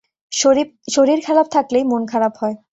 শরীর খারাপ থাকলেই মন খারাপ হয়।